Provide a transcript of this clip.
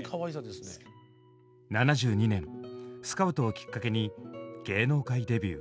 ７２年スカウトをきっかけに芸能界デビュー。